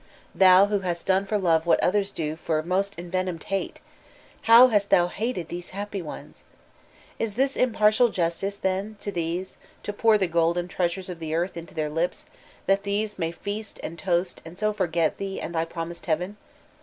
Thou who hast done for love what others do for most envenomed haie, how hast dioa hated these the happy ones f Is this impartial justice then to these, to pour the golden treasures of the earth into their laps, that these may feast and toast and so fot)get thee and thy promised heaven?